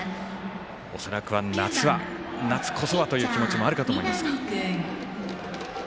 恐らくは夏は、夏こそはという思いはあるかと思いますが。